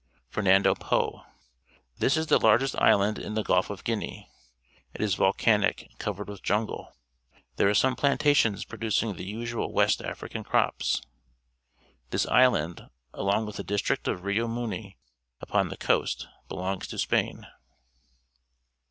Fernando Po. — This is the largest island in the Gulf of Guinea. It is volcanic and covered with jungle. There are some planta tions producing the usual West African crops. This island, along with the district of Rio Muni upon the coast, belongs to Spain.